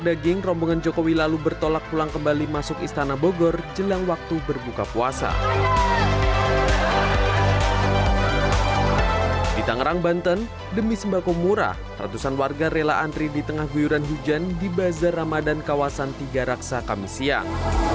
di tangerang banten demi sembah kumurah ratusan warga rela antri di tengah huyuran hujan di bazar ramadan kawasan tiga raksa kamisian